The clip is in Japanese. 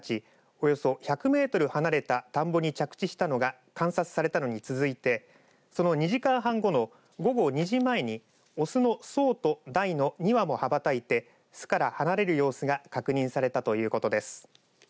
およそ１００メートル離れた田んぼに着地したのが観察されたのに続いてその２時間半後の午後２時前に雄の爽と大の２羽も羽ばたいて巣から離れる様子が確認されたということです。